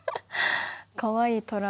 かわいいトラ。